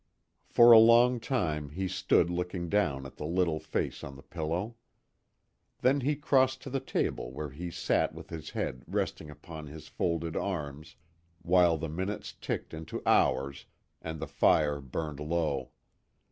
For a long time he stood looking down at the little face on the pillow. Then he crossed to the table where he sat with his head resting upon his folded arms while the minutes ticked into hours and the fire burned low.